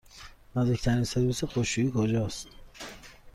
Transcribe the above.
نزدیکترین سرویس خشکشویی کجاست؟